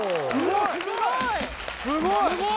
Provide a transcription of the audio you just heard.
すごい！